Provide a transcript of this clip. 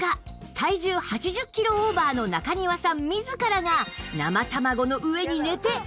体重８０キロオーバーの中庭さん自らが生卵の上に寝て検証！